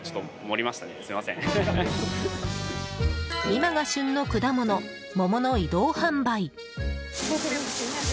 今が旬の果物、桃の移動販売。